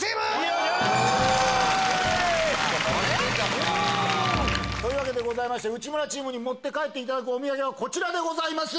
負けてたか。というわけで内村チームに持って帰っていただくお土産はこちらでございます。